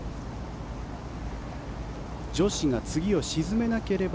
女子が次を沈めなければ